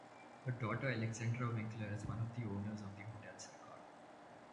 Her daughter, Alexandra Winkler, is one of the owners of the Hotel Sacher.